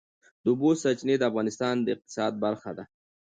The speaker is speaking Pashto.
د اوبو سرچینې د افغانستان د اقتصاد برخه ده.